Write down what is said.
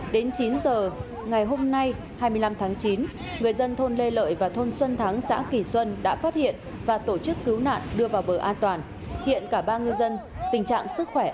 đến chín giờ ngày hôm nay hai mươi năm tháng chín người dân thôn lê lợi và thôn xuân thắng xã kỳ xuân đã phát hiện và tổ chức cứu nạn đưa vào bờ an toàn hiện cả ba ngư dân tình trạng sức khỏe ổn định